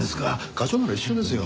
課長なら一瞬ですよ。